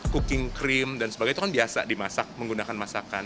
cooking cream dan sebagainya itu kan biasa dimasak menggunakan masakan